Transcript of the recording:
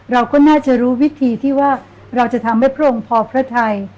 เราก็น่าจะรู้วิธีที่ว่าเราจะทำให้พระองค์พอพระไทย